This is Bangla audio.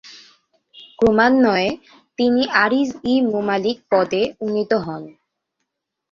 ক্রমান্বয়ে তিনি আরিজ-ই-মুমালিক পদে উন্নীত হন।